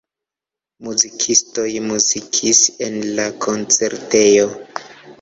Muzikistoj muzikis en la koncertejo.